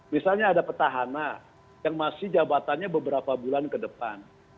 misalnya ada petahana yang masih jabatannya beberapa bulan ke depan